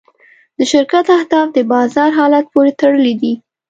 د شرکت اهداف د بازار حالت پورې تړلي دي.